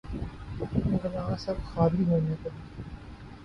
Glass اب خالی ہونے کو ہے۔